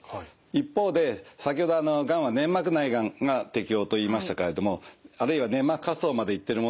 一方で先ほどがんは粘膜内がんが適応と言いましたけれどもあるいは粘膜下層まで行ってるものはですね